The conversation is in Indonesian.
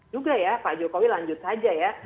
juga ya pak jokowi lanjut saja ya